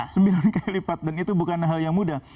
sembilan kali lipat dan itu bukan hal yang mudah